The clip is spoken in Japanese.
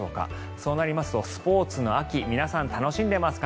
そうなりますとスポーツの秋皆さん楽しんでいますか？